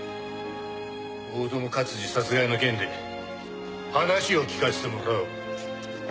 大友勝治殺害の件で話を聞かせてもらう。